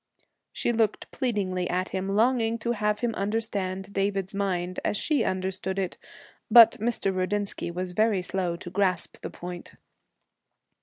She looked pleadingly at him, longing to have him understand David's mind as she understood it. But Mr. Rudinsky was very slow to grasp the point.